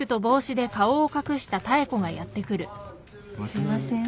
すいません。